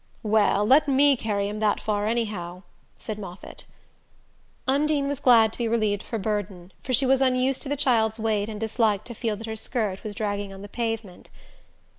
"Well, let me carry him that far anyhow," said Moffatt. Undine was glad to be relieved of her burden, for she was unused to the child's weight, and disliked to feel that her skirt was dragging on the pavement.